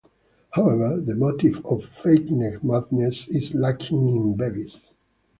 However, the motive of feigned madness is lacking in Bevis.